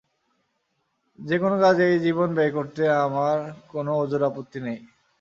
যে কোন কাজে এই জীবন ব্যয় করতে আমার কোন ওযর আপত্তি নেই।